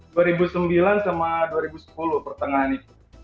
dua ribu sembilan sama dua ribu sepuluh pertengahan itu